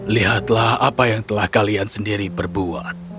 lihatlah apa yang telah kalian sendiri berbuat